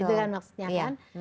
itu kan maksudnya kan